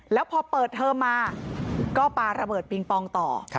แล้วพอเปิดเทอมมาก็ปาระเบิดปิงปองต่อ